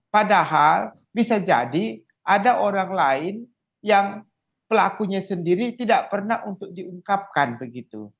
padahal bisa jadi ada orang lain yang pelakunya sendiri tidak pernah untuk diungkapkan begitu